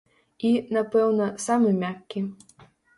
І, напэўна, самы мяккі.